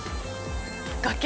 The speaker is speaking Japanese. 崖。